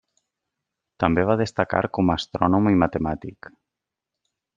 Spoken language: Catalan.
També va destacar com astrònom i matemàtic.